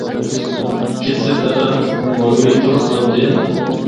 کسے طرحاں منگڑی تُرٹ ونجے۔